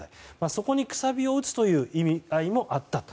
そこにくさびを打つ意味合いもあったと。